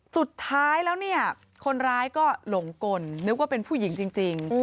สุดท้ายแล้วเนี่ยคนร้ายก็หลงกลนึกว่าเป็นผู้หญิงจริง